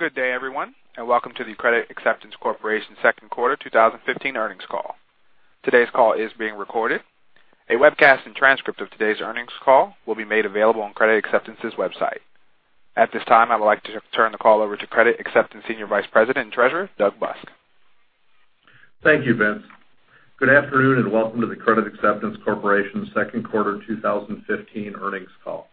Good day, everyone, welcome to the Credit Acceptance Corporation second quarter 2015 earnings call. Today's call is being recorded. A webcast and transcript of today's earnings call will be made available on Credit Acceptance's website. At this time, I would like to turn the call over to Credit Acceptance Senior Vice President and Treasurer, Doug Busk. Thank you, Vince. Good afternoon, welcome to the Credit Acceptance Corporation second quarter 2015 earnings call.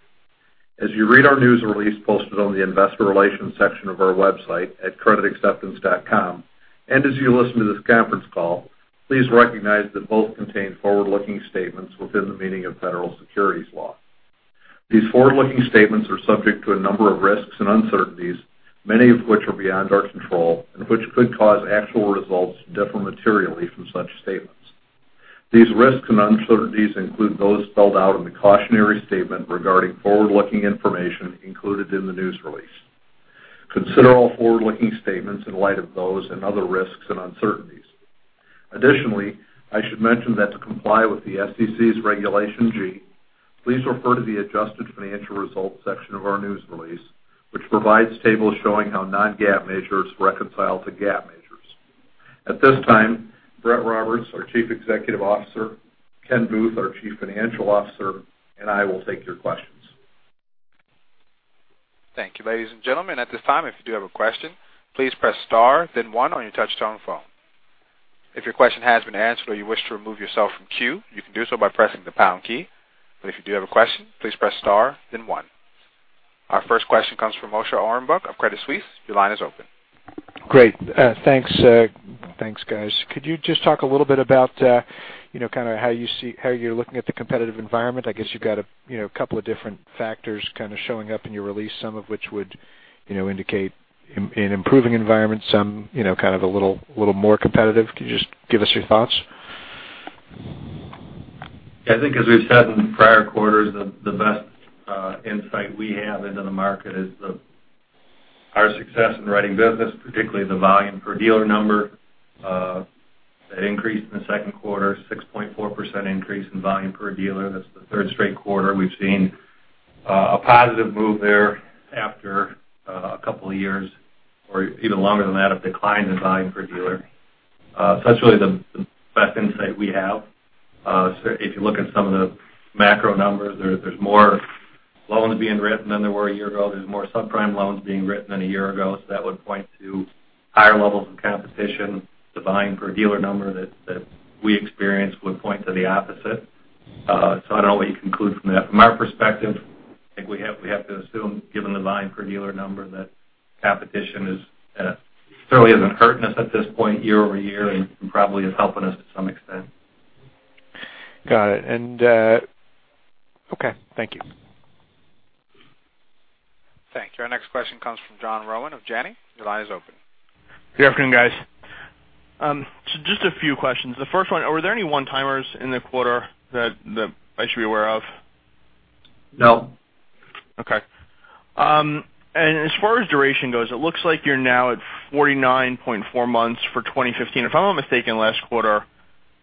As you read our news release posted on the investor relations section of our website at creditacceptance.com, and as you listen to this conference call, please recognize that both contain forward-looking statements within the meaning of federal securities law. These forward-looking statements are subject to a number of risks and uncertainties, many of which are beyond our control and which could cause actual results to differ materially from such statements. These risks and uncertainties include those spelled out in the cautionary statement regarding forward-looking information included in the news release. Consider all forward-looking statements in light of those and other risks and uncertainties. Additionally, I should mention that to comply with the SEC's Regulation G, please refer to the adjusted financial results section of our news release, which provides tables showing how non-GAAP measures reconcile to GAAP measures. At this time, Brett Roberts, our Chief Executive Officer, Ken Booth, our Chief Financial Officer, and I will take your questions. Thank you. Ladies and gentlemen, at this time, if you do have a question, please press star then one on your touch-tone phone. If your question has been answered or you wish to remove yourself from queue, you can do so by pressing the pound key. If you do have a question, please press star then one. Our first question comes from Moshe Orenbuch of Credit Suisse. Your line is open. Great. Thanks, guys. Could you just talk a little bit about how you're looking at the competitive environment? I guess you've got a couple of different factors kind of showing up in your release, some of which would indicate an improving environment, some kind of a little more competitive. Can you just give us your thoughts? I think as we've said in prior quarters, the best insight we have into the market is our success in writing business, particularly the volume per dealer number. That increased in the second quarter, 6.4% increase in volume per dealer. That's the third straight quarter we've seen a positive move there after a couple of years, or even longer than that, of decline in volume per dealer. That's really the best insight we have. If you look at some of the macro numbers, there's more loans being written than there were a year ago. There's more subprime loans being written than a year ago, that would point to higher levels of competition. The volume per dealer number that we experienced would point to the opposite. I don't know what you conclude from that. From our perspective, I think we have to assume, given the volume per dealer number, that competition certainly isn't hurting us at this point year-over-year and probably is helping us to some extent. Got it. Okay. Thank you. Thank you. Our next question comes from John Rowan of Janney. Your line is open. Good afternoon, guys. Just a few questions. The first one, were there any one-timers in the quarter that I should be aware of? No. Okay. As far as duration goes, it looks like you're now at 49.4 months for 2015. If I'm not mistaken, last quarter,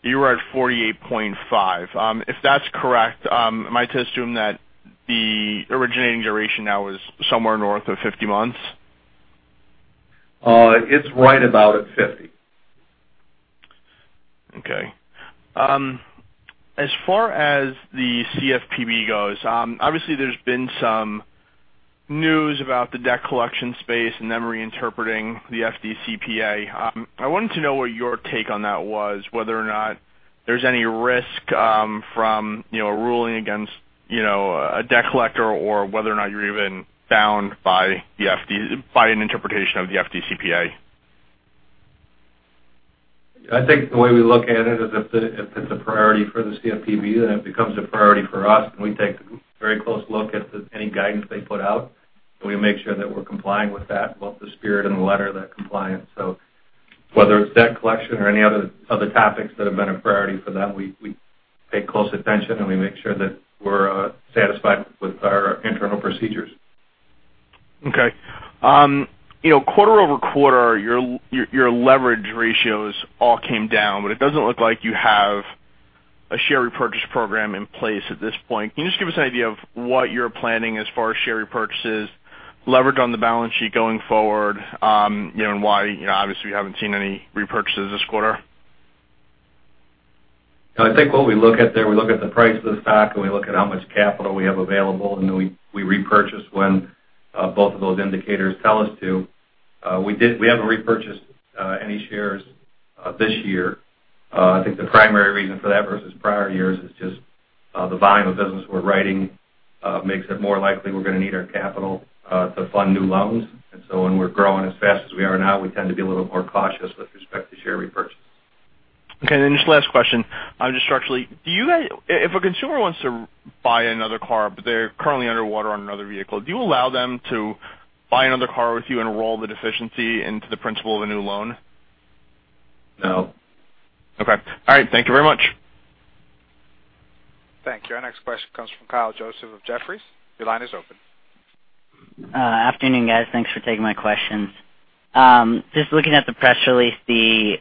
you were at 48.5. If that's correct, am I to assume that the originating duration now is somewhere north of 50 months? It's right about at 50. Okay. As far as the CFPB goes, obviously there's been some news about the debt collection space and them reinterpreting the FDCPA. I wanted to know what your take on that was, whether or not there's any risk from a ruling against a debt collector or whether or not you're even bound by an interpretation of the FDCPA. I think the way we look at it is if it's a priority for the CFPB, it becomes a priority for us, and we take a very close look at any guidance they put out. We make sure that we're complying with that, both the spirit and the letter of that compliance. Whether it's debt collection or any other topics that have been a priority for them, we pay close attention, and we make sure that we're satisfied with our internal procedures. Okay. Quarter-over-quarter, your leverage ratios all came down, it doesn't look like you have a share repurchase program in place at this point. Can you just give us an idea of what you're planning as far as share repurchases, leverage on the balance sheet going forward, and why, obviously, we haven't seen any repurchases this quarter? I think what we look at there, we look at the price of the stock, and we look at how much capital we have available, we repurchase when both of those indicators tell us to. We haven't repurchased any shares this year. I think the primary reason for that versus prior years is just the volume of business we're writing makes it more likely we're going to need our capital to fund new loans. When we're growing as fast as we are now, we tend to be a little more cautious with respect to share repurchase. Okay, just last question, just structurally. If a consumer wants to buy another car, but they're currently underwater on another vehicle, do you allow them to buy another car with you and roll the deficiency into the principal of the new loan? No. Okay. All right. Thank you very much. Thank you. Our next question comes from Kyle Joseph of Jefferies. Your line is open. Afternoon, guys. Thanks for taking my questions. Just looking at the press release, the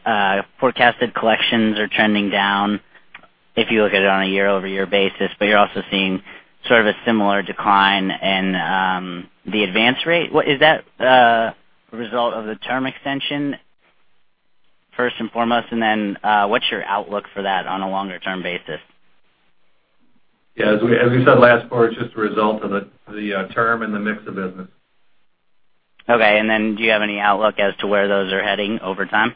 forecasted collections are trending down if you look at it on a year-over-year basis, you're also seeing sort of a similar decline in the advance rate. Is that a result of the term extension, first and foremost? What's your outlook for that on a longer term basis? Yeah. As we said last quarter, it is just a result of the term and the mix of business. Okay. Do you have any outlook as to where those are heading over time?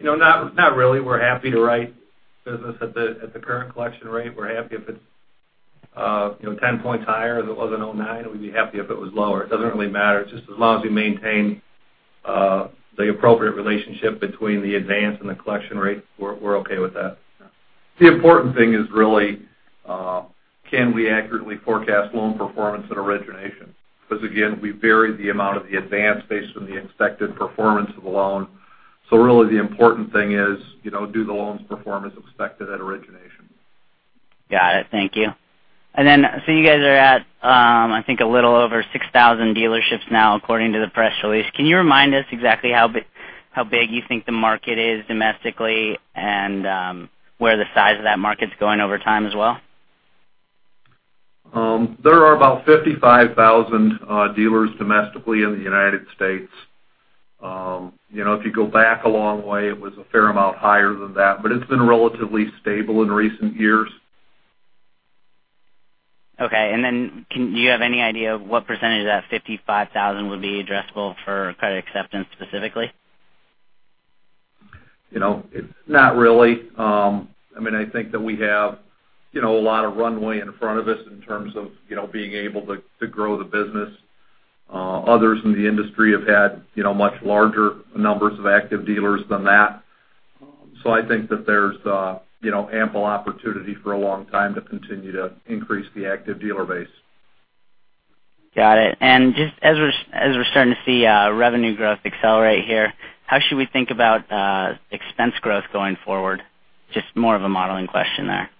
Not really. We are happy to write business at the current collection rate. We are happy if it is 10 points higher as it was in 2009. We would be happy if it was lower. It does not really matter, just as long as we maintain the appropriate relationship between the advance and the collection rate, we are okay with that. The important thing is really, can we accurately forecast loan performance at origination? Because, again, we vary the amount of the advance based on the expected performance of the loan. Really the important thing is, do the loans perform as expected at origination? Got it. Thank you. You guys are at, I think, a little over 6,000 dealerships now, according to the press release. Can you remind us exactly how big you think the market is domestically and where the size of that market is going over time as well? There are about 55,000 dealers domestically in the United States. If you go back a long way, it was a fair amount higher than that, but it's been relatively stable in recent years. Okay. Do you have any idea of what percentage of that 55,000 would be addressable for Credit Acceptance specifically? Not really. I think that we have a lot of runway in front of us in terms of being able to grow the business. Others in the industry have had much larger numbers of active dealers than that. I think that there's ample opportunity for a long time to continue to increase the active dealer base. Got it. Just as we're starting to see revenue growth accelerate here, how should we think about expense growth going forward? Just more of a modeling question there.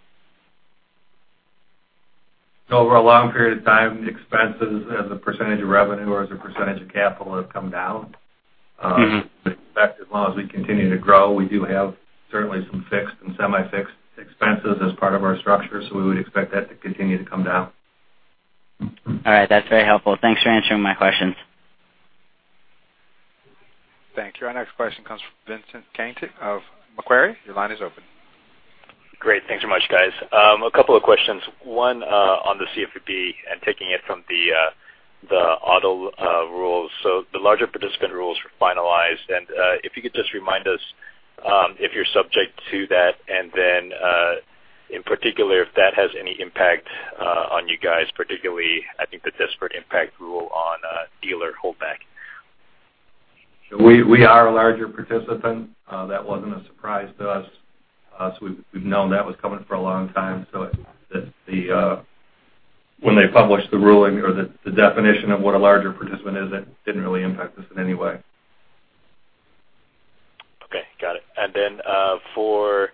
Over a long period of time, expenses as a percentage of revenue or as a percentage of capital have come down. We expect as long as we continue to grow, we do have certainly some fixed and semi-fixed expenses as part of our structure, so we would expect that to continue to come down. All right. That's very helpful. Thanks for answering my questions. Thank you. Our next question comes from Vincent Caintic of Macquarie. Your line is open. Great. Thanks so much, guys. A couple of questions. One, on the CFPB and taking it from the auto rules. The larger participant rules were finalized, and if you could just remind us if you're subject to that, and then, in particular, if that has any impact on you guys, particularly, I think the disparate impact rule on dealer holdback. We are a larger participant. That wasn't a surprise to us. We've known that was coming for a long time. When they published the ruling or the definition of what a larger participant is, it didn't really impact us in any way. Okay. Got it. For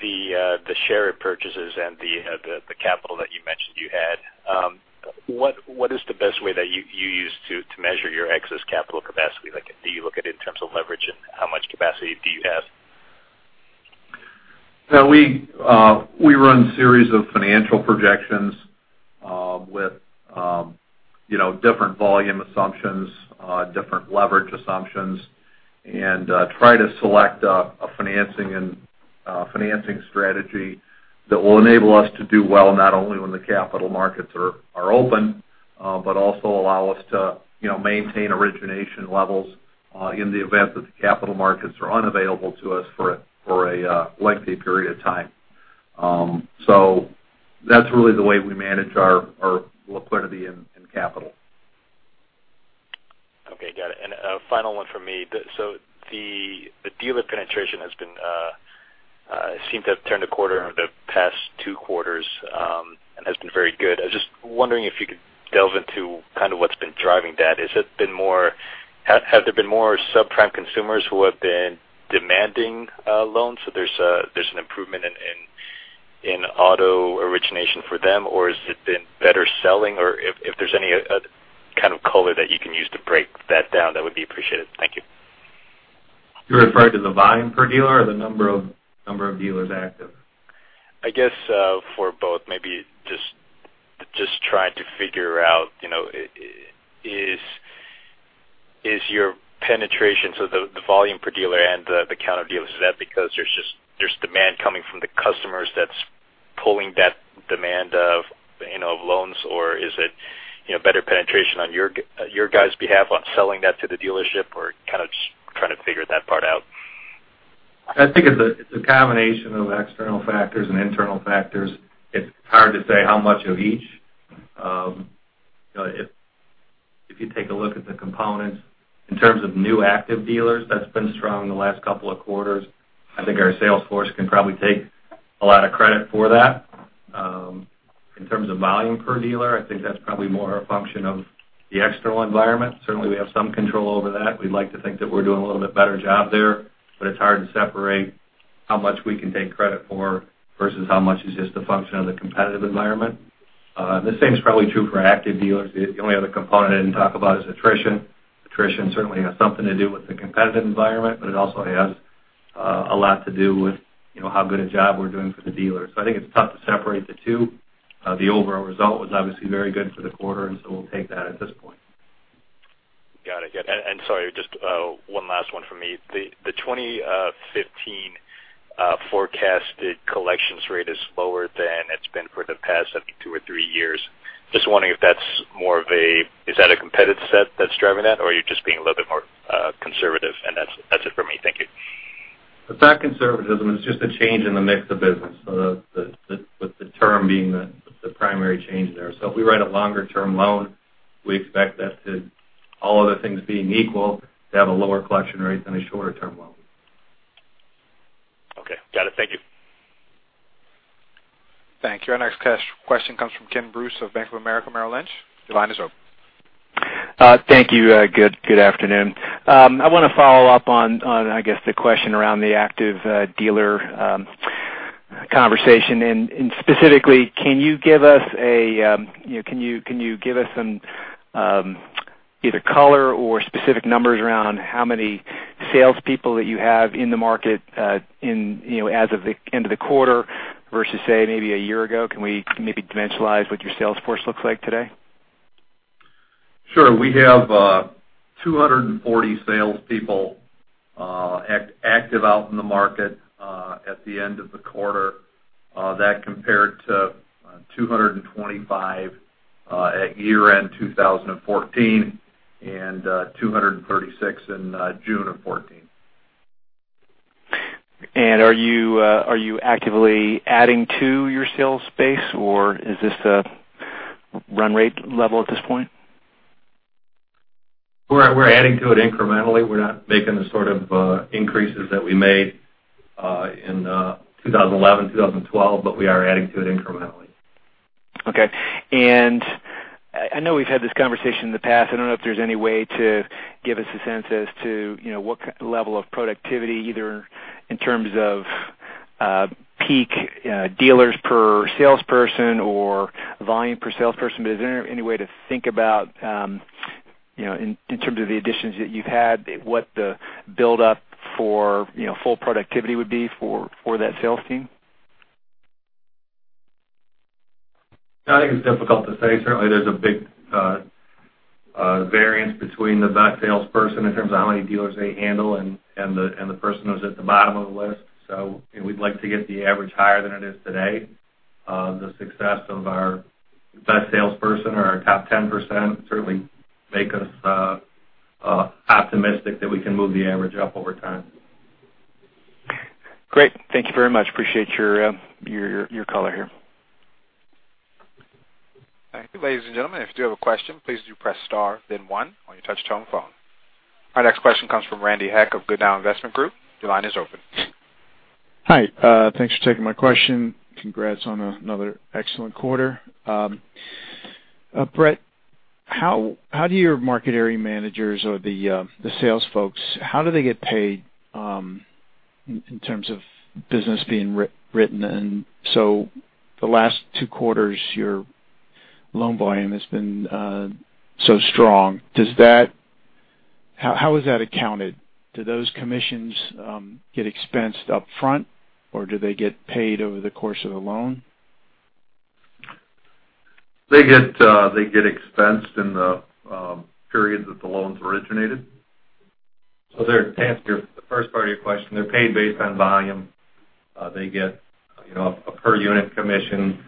the share repurchases and the capital that you mentioned you had, what is the best way that you use to measure your excess capital capacity? Do you look at it in terms of leverage, and how much capacity do you have? We run series of financial projections with different volume assumptions, different leverage assumptions, and try to select a financing strategy that will enable us to do well, not only when the capital markets are open, but also allow us to maintain origination levels in the event that the capital markets are unavailable to us for a lengthy period of time. That's really the way we manage our liquidity and capital. Okay. Got it. A final one from me. The dealer penetration seemed to have turned a quarter over the past two quarters, and has been very good. I was just wondering if you could delve into what's been driving that. Have there been more subprime consumers who have been demanding loans, so there's an improvement in auto origination for them, or has it been better selling? If there's any kind of color that you can use to break that down, that would be appreciated. Thank you. You're referring to the volume per dealer, or the number of dealers active? I guess, for both. Just trying to figure out, is your penetration, so the volume per dealer and the count of dealers, is that because there's demand coming from the customers that's pulling that demand of loans, or is it better penetration on your guys' behalf on selling that to the dealership? Kind of just trying to figure that part out. I think it's a combination of external factors and internal factors. It's hard to say how much of each. If you take a look at the components in terms of new active dealers, that's been strong in the last couple of quarters. I think our sales force can probably take a lot of credit for that. In terms of volume per dealer, I think that's probably more a function of the external environment. Certainly, we have some control over that. We'd like to think that we're doing a little bit better job there, but it's hard to separate how much we can take credit for, versus how much is just a function of the competitive environment. The same is probably true for active dealers. The only other component I didn't talk about is attrition. attrition certainly has something to do with the competitive environment, but it also has a lot to do with how good a job we're doing for the dealers. I think it's tough to separate the two. The overall result was obviously very good for the quarter. We'll take that at this point. Got it. Sorry, just one last one from me. The 2015 forecasted collections rate is lower than it's been for the past, I think, two or three years. Just wondering if that's a competitive set that's driving that? Are you just being a little bit more conservative? That's it for me. Thank you. It's not conservatism, it's just a change in the mix of business. The term being the primary change there. If we write a longer-term loan, we expect that to, all other things being equal, to have a lower collection rate than a shorter term loan. Okay. Got it. Thank you. Thank you. Our next question comes from Kenneth Bruce of Bank of America Merrill Lynch. Your line is open. Thank you. Good afternoon. I want to follow up on, I guess the question around the active dealer conversation, and specifically, can you give us either color or specific numbers around how many salespeople that you have in the market as of the end of the quarter, versus say, maybe a year ago? Can we maybe dimensionalize what your sales force looks like today? Sure. We have 240 salespeople active out in the market at the end of the quarter. That compared to 225 at year-end 2014 and 236 in June of 2014. Are you actively adding to your sales space, or is this a run rate level at this point? We're adding to it incrementally. We're not making the sort of increases that we made in 2011, 2012, we are adding to it incrementally. Okay. I know we've had this conversation in the past. I don't know if there's any way to give us a sense as to what level of productivity, either in terms of peak dealers per salesperson or volume per salesperson. Is there any way to think about, in terms of the additions that you've had, what the buildup for full productivity would be for that sales team? I think it's difficult to say. Certainly, there's a big variance between the best salesperson in terms of how many dealers they handle and the person who's at the bottom of the list. We'd like to get the average higher than it is today. The success of our best salesperson or our top 10% certainly make us optimistic that we can move the average up over time. Great. Thank you very much. Appreciate your color here. Thank you. Ladies and gentlemen, if you do have a question, please do press star then one on your touch-tone phone. Our next question comes from Randall Heck of Goodnow Investment Group. Your line is open. Hi. Thanks for taking my question. Congrats on another excellent quarter. Brett, how do your market area managers or the sales folks, how do they get paid, in terms of business being written? The last two quarters, your loan volume has been so strong. How is that accounted? Do those commissions get expensed up front, or do they get paid over the course of the loan? They get expensed in the period that the loans originated. To answer the first part of your question, they're paid based on volume. They get a per unit commission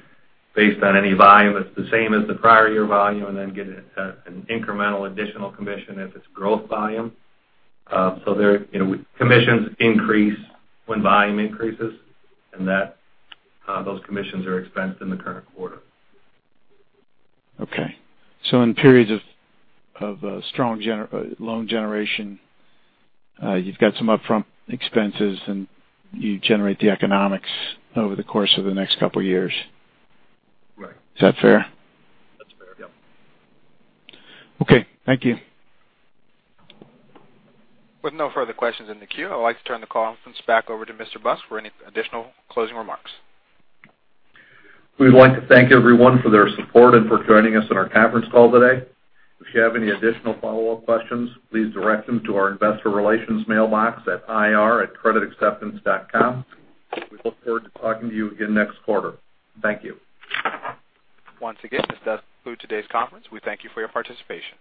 based on any volume. It's the same as the prior year volume, and then get an incremental additional commission if it's growth volume. Commissions increase when volume increases, and those commissions are expensed in the current quarter. Okay. In periods of strong loan generation, you've got some upfront expenses, and you generate the economics over the course of the next couple of years. Right. Is that fair? That's fair. Yep. Okay. Thank you. With no further questions in the queue, I would like to turn the conference back over to Mr. Busk for any additional closing remarks. We would like to thank everyone for their support and for joining us on our conference call today. If you have any additional follow-up questions, please direct them to our investor relations mailbox at ir@creditacceptance.com. We look forward to talking to you again next quarter. Thank you. Once again, this does conclude today's conference. We thank you for your participation.